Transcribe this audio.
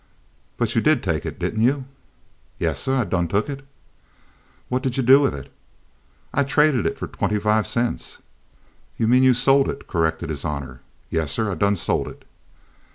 "But you did take it, didn't you?" "Yassah, I done tuck it." "What did you do with it?" "I traded it foh twenty five cents." "You mean you sold it," corrected his honor. "Yassah, I done sold it."